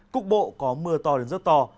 cục bộ có mưa to đến giấc to